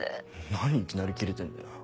何いきなりキレてんだよ